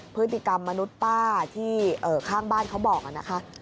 พฤติกรรมมนุษย์ป้าที่ข้างบ้านเขาบอกนะคะ